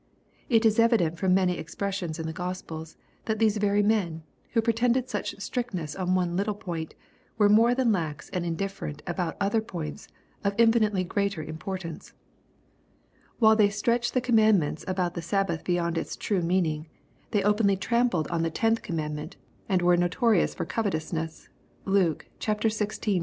It is evident from many expres sions in the Gospels, that these very men, who pretended such strictness on one little point, were more than lax and indifferent about other points of infinitely greater import^ ance. While they stretched the commandment about the Sabbath beyond its true meaning, they openly trampled oo 160 EXPOSITORY THOUGHTS. the tenth commandment, and were notorious for gov etousness. (Luke xvi.